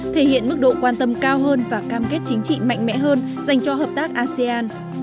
thể hiện mức độ quan tâm cao hơn và cam kết chính trị mạnh mẽ hơn dành cho hợp tác asean